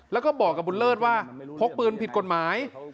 แล้วก็บอกกับบุญเลิศว่าพกปืนผิดกฎหมาย